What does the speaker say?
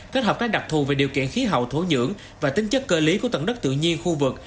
kết hợp các đặc thù về điều kiện khí hậu thổ nhưỡng và tính chất cơ lý của tầng đất tự nhiên khu vực